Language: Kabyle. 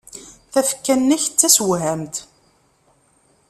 Tafekka-nnek d tasewhamt.